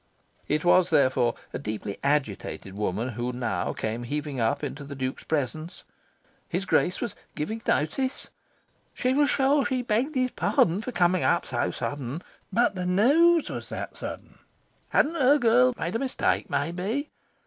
It was, therefore, a deeply agitated woman who now came heaving up into the Duke's presence. His Grace was "giving notice"? She was sure she begged his pardon for coming up so sudden. But the news was that sudden. Hadn't her girl made a mistake, maybe?